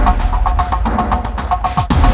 kemurah lebih dengan sufas yg jalan